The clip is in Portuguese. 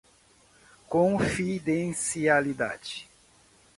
confidencialidade